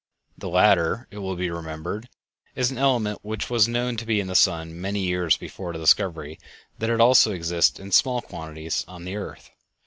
The latter, it will be remembered, is an element which was known to be in the sun many years before the discovery that it also exists in small quantities on the earth.